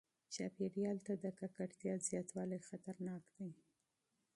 چاپیریال ته د ککړتیا زیاتوالی خطرناک دی.